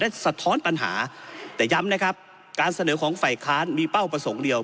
และสะท้อนปัญหาแต่ย้ำนะครับการเสนอของฝ่ายค้านมีเป้าประสงค์เดียว